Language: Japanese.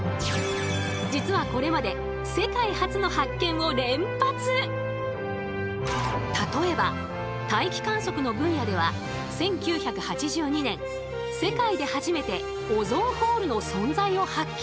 実はこれまで例えば大気観測の分野では１９８２年世界で初めてオゾンホールの存在を発見。